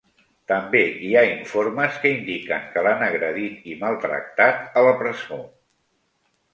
També hi ha informes que indiquen que l'han agredit i maltractat a la presó.